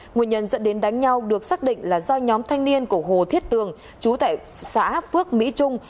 nguyên nhân dẫn đến đánh nhau được xác định là do nhóm thanh niên của hồ thiết tường chú tại xã phước mỹ trung